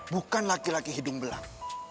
bukan laki laki hidung belang